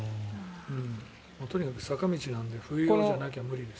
とにかく坂道なので冬用じゃなきゃ無理です。